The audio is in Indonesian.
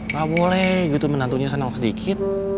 gak boleh gitu menantunya senang sedikit